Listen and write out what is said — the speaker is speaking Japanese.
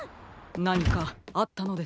なにかあったのですか？